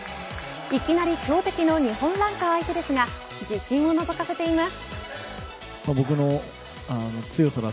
いきなり強敵の日本ランカー相手ですが自信をのぞかせています。